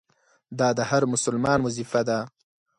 دا د هر مسلمان وظیفه ده.